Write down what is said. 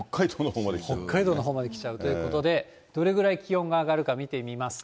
北海道のほうまで来ちゃうということで、どれぐらい気温が上がるか見てみますと。